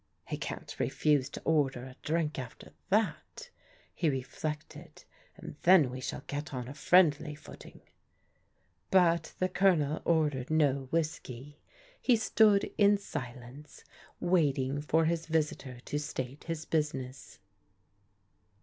" He can't refuse to order a drink after that," he re flected, " and then we shall get on a friendly footing." But the Colonel ordered no whiskey. He stood in silence waiting for his visitor to state his business.